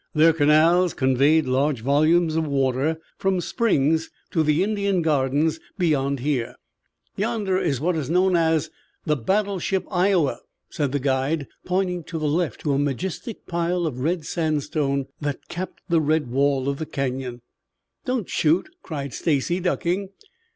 Their canals conveyed large volumes of water from springs to the Indian Gardens beyond here. Yonder is what is known as the Battleship Iowa," said the guide, pointing to the left to a majestic pile of red sandstone that capped the red wall of the Canyon. "Don't shoot," cried Stacy, ducking.